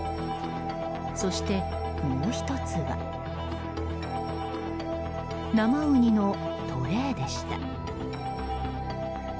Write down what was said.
そして、もう１つは生ウニのトレーでした。